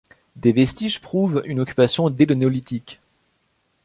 Des vestiges prouvent une occupation dès le Néolithique.